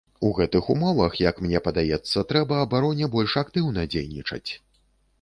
У гэтых умовах, як мне падаецца, трэба абароне больш актыўна дзейнічаць.